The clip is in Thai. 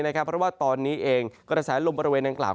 เพราะว่าตอนนี้เองกระแสลมบริเวณดังกล่าว